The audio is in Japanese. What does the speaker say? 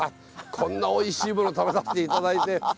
こんなおいしいもの食べさせて頂いて。